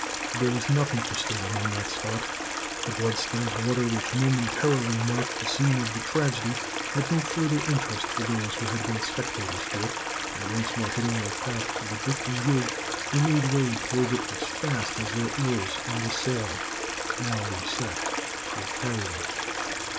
There was nothing to stay them on that spot. The bloodstained water, which momentarily marked the scene of the tragedy, had no further interest for those who had been spectators to it; and once more heading their craft for the drifting gig, they made way towards it as fast as their oars and the sail, now reset, would carry them.